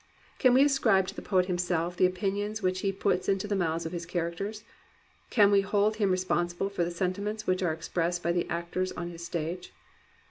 Can we ascribe to the poet himself the opinions which he puts into the mouths of his characters? Can we hold him responsible for the sentiments which are expressed by the actors on his stage